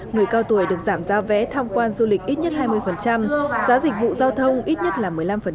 người cao tuổi được giảm giá vé tham quan du lịch ít nhất hai mươi giá dịch vụ giao thông ít nhất là một mươi năm